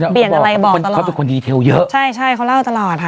เปลี่ยนอะไรบ่อยเขาเป็นคนดีเทลเยอะใช่ใช่เขาเล่าตลอดค่ะ